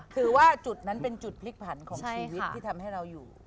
คือว่าจุดนั้นเป็นจุดพลิกผันของชีวิตที่ทำให้เราอยู่